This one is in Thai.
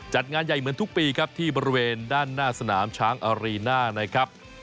จัดงานใหญ่เหมือนทุกปีครับที่บริเวณด้านหน้าสนามช้างอารีน่านะครับ